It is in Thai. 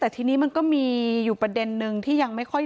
แต่ทีนี้มันก็มีอยู่ประเด็นนึงที่ยังไม่ค่อย